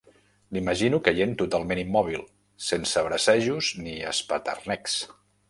L'imagino caient totalment immòbil, sense bracejos ni espeternecs.